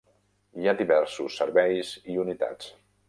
Hi ha diversos serveis i unitats.